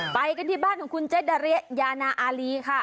ไปกันที่บ้านของคุณเจดาริยานาอารีค่ะ